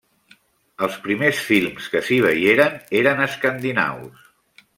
Els primers films que s'hi veieren eren escandinaus.